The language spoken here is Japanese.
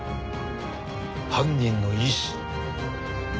犯人の意志